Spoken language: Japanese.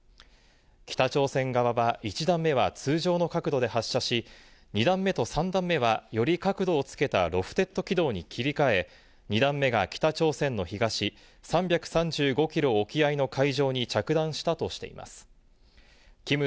北朝鮮側は１段目は通常の角度で発射し、２段目と３段目はより角度をつけたロフテッド軌道に切り替え、２段目が北朝鮮の東３３５キロ沖合の海上に着弾したとしています。